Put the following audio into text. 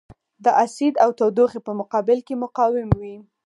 د اسید او تودوخې په مقابل کې مقاوم وي.